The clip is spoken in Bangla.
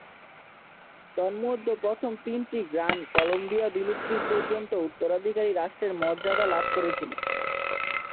তন্মধ্যে, প্রথম তিনটি গ্রান কলম্বিয়ার বিলুপ্তি পর্যন্ত উত্তরাধিকারী রাষ্ট্রের মর্যাদা লাভ করেছিল।